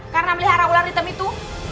karena melihara ular hitam itu